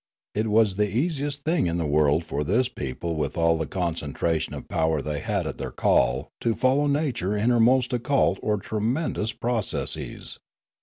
It was the easiest thing in the world for this people with all the concentration of power they had at their call to follow nature in her most occult or tremendous pro cesses.